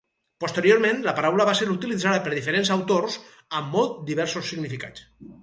Posteriorment, la paraula va ser utilitzada per diferents autors amb molt diversos significats.